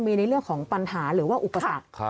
มีในเรื่องของปัญหาหรือว่าอุปสรรค